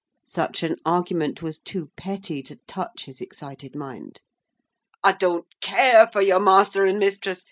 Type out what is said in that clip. Such an argument was too petty to touch his excited mind. "I don't care for your master and mistress.